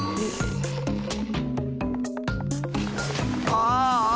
ああ。